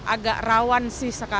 agak rawan sih sekalian